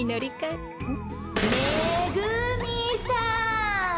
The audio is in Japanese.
めぐみさん。